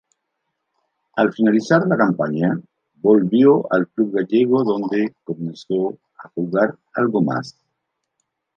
Al finalizar la campaña volvió al club gallego donde comenzó a jugar algo más.